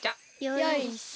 よいしょ。